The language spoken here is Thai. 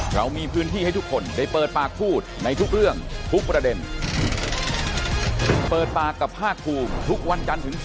ครับอ๋อวันนั้นที่จับฟลุ๊กไปตำรวจเราไล่กดดันตรงนู้นตรงนี้